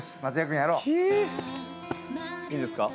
いいですか？